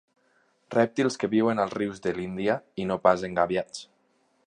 Rèptils que viuen als rius de l'Índia, i no pas engabiats.